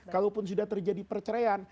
kalaupun sudah terjadi perceraian